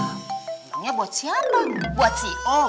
hai sebenarnya buat siapa buat si om